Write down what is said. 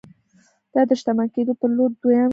دا د شتمن کېدو پر لور دويم ګام دی.